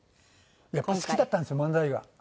やっぱり好きだったんです漫才が。